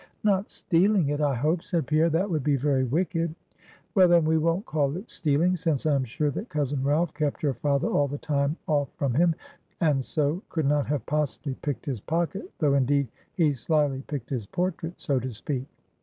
"Not stealing it, I hope," said Pierre, "that would be very wicked." "Well, then, we won't call it stealing, since I am sure that cousin Ralph kept your father all the time off from him, and so, could not have possibly picked his pocket, though indeed, he slyly picked his portrait, so to speak.